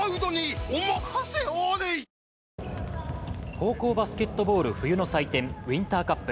高校バスケットボール冬の祭典ウインターカップ。